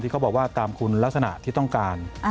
เขาบอกว่าตามคุณลักษณะที่ต้องการ